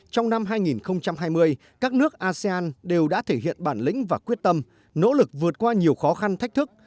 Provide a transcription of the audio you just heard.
trong năm hai nghìn hai mươi các nước asean đều đã thể hiện bản lĩnh và quyết tâm nỗ lực vượt qua nhiều khó khăn thách thức